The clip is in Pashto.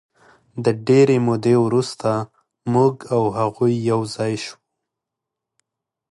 د ډېرې مودې وروسته موږ او هغوی یو ځای شوو.